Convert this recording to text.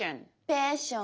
ペッション。